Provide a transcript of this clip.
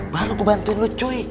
baru gue bantuin lu cuy